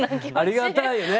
ありがたいよね。